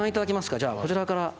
じゃあこちらから。